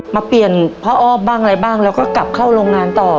เปลี่ยนพระอ้อมบ้างอะไรบ้างแล้วก็กลับเข้าโรงงานต่อ